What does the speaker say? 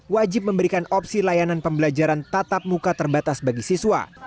wajib memberikan opsi layanan pembelajaran tatap muka terbatas bagi siswa